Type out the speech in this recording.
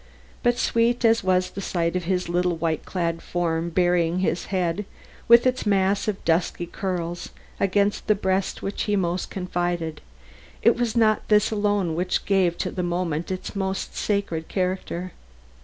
But sweet as was the sight of his little white clad form burying its head, with its mass of dusky curls, against the breast in which he most confided, it was not this alone which gave to the moment its almost sacred character.